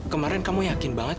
kemarin kamu yakin banget